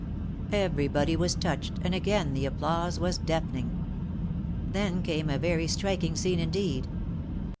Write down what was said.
Every body was touched, and again the applause was deafening. Then came a very striking scene indeed.